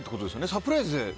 サプライズで。